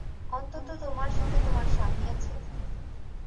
অন্তত তোমার সাথে তোমার স্বামী আছে।